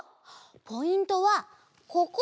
ポイントはここ！